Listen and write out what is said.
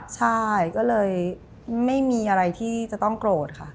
ใช่ก็เลยไม่มีอะไรที่จะต้องโกรธค่ะ